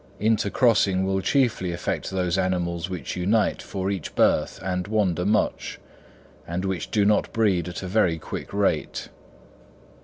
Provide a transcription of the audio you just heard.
Intercrossing will chiefly affect those animals which unite for each birth and wander much, and which do not breed at a very quick rate.